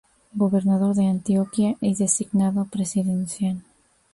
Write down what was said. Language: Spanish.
Gobernador de Antioquia y Designado Presidencial.